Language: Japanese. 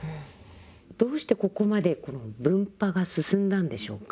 どうしてここまで分派が進んだんでしょうか？